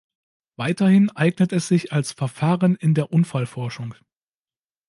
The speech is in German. Weiterhin eignet es sich als Verfahren in der Unfallforschung.